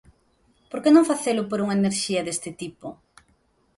¿Por que non facelo por unha enerxía deste tipo?